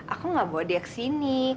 aku gak bawa dia kesini